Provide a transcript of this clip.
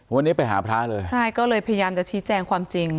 วันนี้ไปหาพระเลยใช่ก็เลยพยายามจะชี้แจงความจริง